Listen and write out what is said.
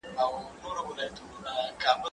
هغه وويل چي ليک مهم دی!.